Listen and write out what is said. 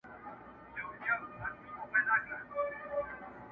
سیال دي د ښایست نه پسرلی دی او نه سره ګلاب,